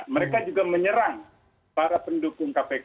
mereka juga menyerang para pendukung kpk